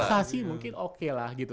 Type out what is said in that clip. investasi mungkin oke lah gitu